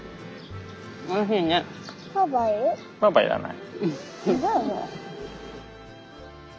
パパいらない。